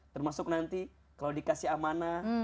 termasuk nanti kalau dikasih amanah